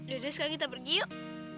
yaudah sekarang kita pergi yuk